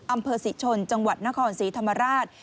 อำเภอศรีชนจังหวัดนครศรีธรรมราช